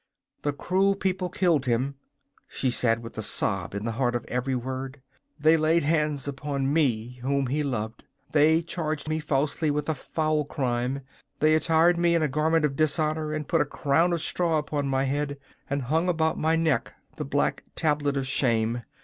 'The cruel people killed him,' she said, with a sob in the heart of every word. 'They laid hands upon me whom he loved. They charged me falsely with a foul crime. They attired me in a garment of dishonour, and put a crown of straw upon my head, and hung about my neck the black tablet of shame.